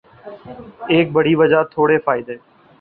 ایک بڑِی وجہ تھوڑے فائدے